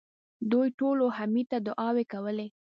دوی ټولو حميد ته دعاوې کولې.